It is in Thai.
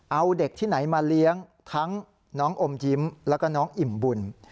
เอาเด็กที่ไหนมาเลี้ยงทั้งน้องอมยิ้มแล้วก็น้องอิ่มบุญ